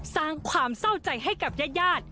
สร้างความเศร้าใจให้กับญาติ